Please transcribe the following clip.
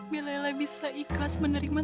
biar lela bisa ikhlas menerima